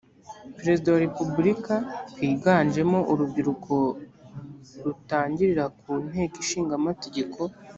perezida wa repubulika rwiganjemo urubyiruko rutangirira ku nteko ishinga amategeko